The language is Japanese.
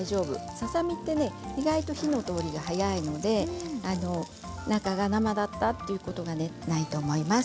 ささ身は意外と火の通りが早いので中が生だったということはないと思います。